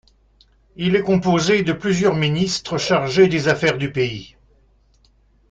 Il est composé de plusieurs ministres chargés des affaires du pays.